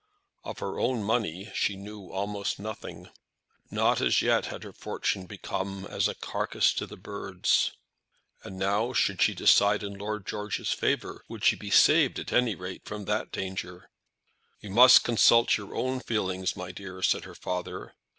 Of her own money she knew almost nothing. Not as yet had her fortune become as a carcase to the birds. And now, should she decide in Lord George's favour, would she be saved at any rate from that danger. "You must consult your own feelings, my dear," said her father.